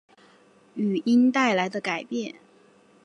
语音带来的改变